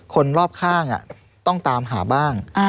คนรอบข้างต้องตามหาบ้าง